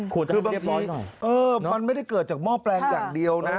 คือบางทีมันไม่ได้เกิดจากหม้อแปลงอย่างเดียวนะ